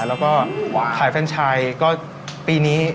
แล้วก็ขายแฟนชายก็ปีนี้